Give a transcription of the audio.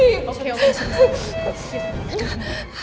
biar aku bantu